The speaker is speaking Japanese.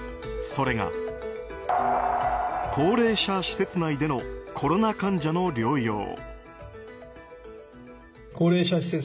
それが、高齢者施設内でのコロナ患者の療養。